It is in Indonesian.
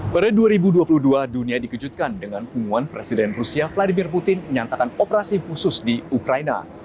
pada dua ribu dua puluh dua dunia dikejutkan dengan pengumuman presiden rusia vladimir putin menyatakan operasi khusus di ukraina